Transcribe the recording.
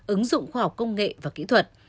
ứng dụng khoa học công nghệ và kỹ thuật